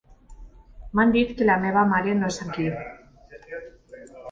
M'han dit que la meva mare no és aquí.